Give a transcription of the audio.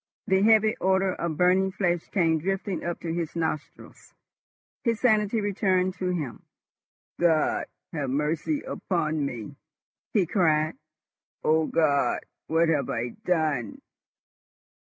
The heavy odour of burning flesh came drifting up to his nostrils. His sanity returned to him. "God have mercy upon me!" he cried. "O God! what have I done?"